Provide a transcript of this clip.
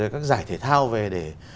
các giải thể thao về để